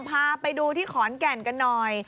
พาไปดูที่ขอนแก่นกันหน่อย